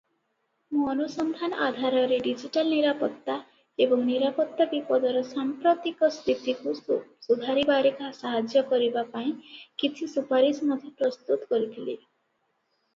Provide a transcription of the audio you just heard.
ମୁଁ ଅନୁସନ୍ଧାନ ଆଧାରରେ ଡିଜିଟାଲ ନିରାପତ୍ତା ଏବଂ ନିରାପତ୍ତା ବିପଦର ସାମ୍ପ୍ରତିକ ସ୍ଥିତିକୁ ସୁଧାରିବାରେ ସାହାଯ୍ୟ କରିବା ପାଇଁ କିଛି ସୁପାରିସ ମଧ୍ୟ ପ୍ରସ୍ତୁତ କରିଥିଲି ।